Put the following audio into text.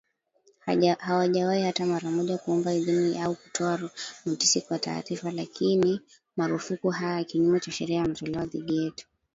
Hawajawahi hata mara moja kuomba idhini au kutoa notisi kwa taarifa, lakini marufuku haya ya kinyume cha sharia yanatolewa dhidi yetu